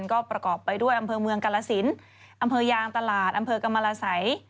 ก็ประกอบไปด้วยอำเภอเมืองกาลสินอำเภอยางตลาดอำเภอกรรมรสัย